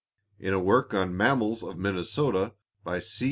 In a work on the mammals of Minnesota, by C.